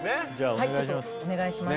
はいちょっとお願いします